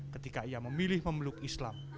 ketika ia memilih memeluk islam